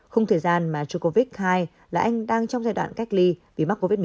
không thời gian mà djokovic khai là anh đang trong giai đoạn cách ly vì mắc covid một mươi chín